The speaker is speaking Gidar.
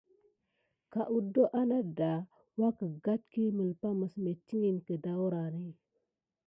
Ka adon anada agaɗɗa yi melipa metikini an katurhu kenani.